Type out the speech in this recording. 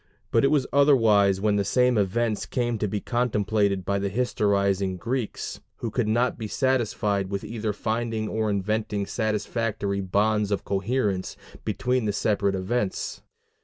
But it was otherwise when the same events came to be contemplated by the historicizing Greeks, who could not be satisfied without either finding or inventing satisfactory bonds of coherence between the separate events.